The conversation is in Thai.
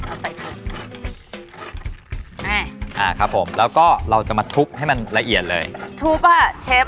เอาใส่ถุงอ่าครับผมแล้วก็เราจะมาทุบให้มันละเอียดเลยทุบอ่ะเชฟ